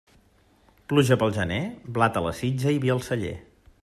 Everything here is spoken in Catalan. Pluja pel gener, blat a la sitja i vi al celler.